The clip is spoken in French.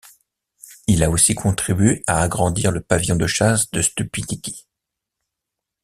Il a aussi contribué à agrandire le Pavillon de chasse de Stupinigi.